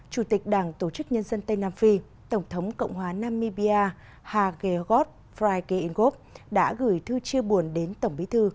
chủ tịch đảng tổ chức nhân dân tây nam phi tổng thống cộng hòa namibia hage ghot phraike ingop đã gửi thư chia buồn đến tổng bí thư